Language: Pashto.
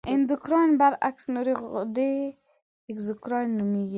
د اندورکراین برعکس نورې غدې اګزوکراین نومیږي.